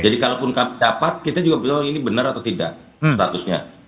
jadi kalaupun dapat kita juga bisa tahu ini benar atau tidak statusnya